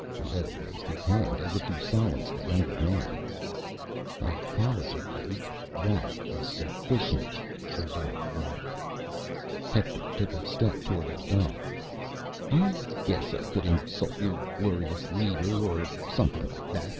Leoh raised a hand, as if to silence the younger man. "I apologized; that is sufficient," Odal warned. Hector took a step toward Odal. "I guess I could insult your glorious leader, or something like that